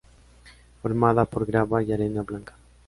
Formada por grava y arena blanca.